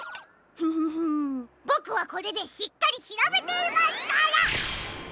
フフフボクはこれでしっかりしらべていますから！